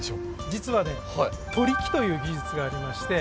実はね「取り木」という技術がありまして。